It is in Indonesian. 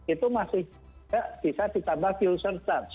itu masih bisa ditambah user tax